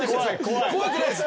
怖くないです。